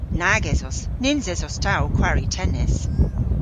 Nag esos. Nyns esos ta ow kwari tennis.